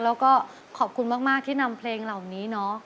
แล้วก็ขอบคุณมากที่นำเพลงเหล่านี้เนาะ